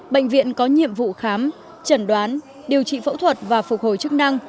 bệnh viện có nhiệm vụ khám trần đoán điều trị phẫu thuật và phục hồi chức năng